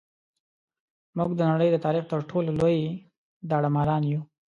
موږ د نړۍ د تاریخ تر ټولو لوی داړه ماران یو.